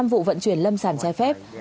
năm vụ vận chuyển lâm sản trai phép